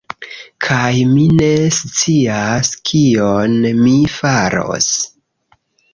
Kaj mi ne scias, kion mi faros